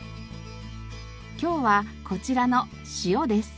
今日はこちらの塩です。